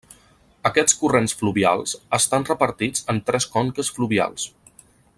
Aquests corrents fluvials estan repartits en tres conques fluvials.